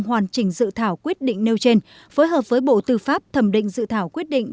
hoàn chỉnh dự thảo quyết định nêu trên phối hợp với bộ tư pháp thẩm định dự thảo quyết định